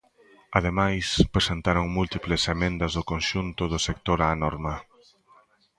Ademais, presentaron múltiples emendas do conxunto do sector á norma.